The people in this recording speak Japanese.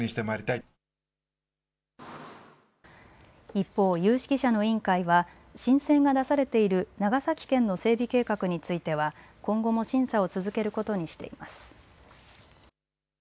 一方、有識者の委員会は申請が出されている長崎県の整備計画については今後も審査を続けることにしています。